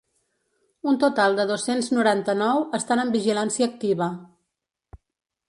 Un total de dos-cents noranta-nou estan en vigilància activa.